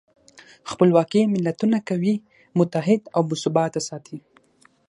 خپلواکي ملتونه قوي، متحد او باثباته ساتي.